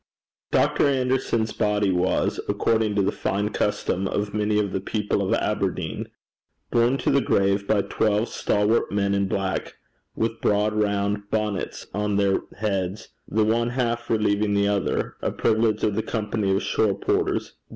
Dr. Anderson's body was, according to the fine custom of many of the people of Aberdeen, borne to the grave by twelve stalwart men in black, with broad round bonnets on their heads, the one half relieving the other a privilege of the company of shore porters.